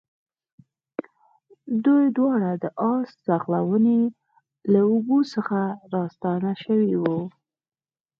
دوی دواړه د آس ځغلونې له لوبو څخه راستانه شوي وو.